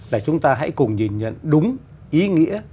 là chúng ta hãy cùng nhìn nhận đúng ý nghĩa